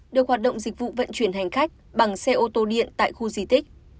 được hoạt động dịch vụ vận chuyển hành khách bằng xe ô tô điện tại khu di tích